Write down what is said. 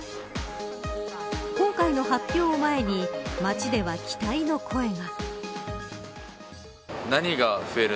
今回の発表を前に街では期待の声が。